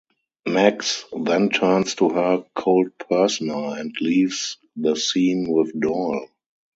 Mags then turns to her cold persona and leaves the scene with Doyle.